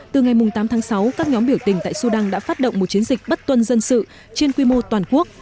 từ ngày tám tháng sáu các nhóm biểu tình tại sudan đã phát động một chiến dịch bất tuân dân sự trên quy mô toàn quốc